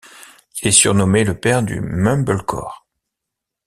Il est surnommé le père du mumblecore.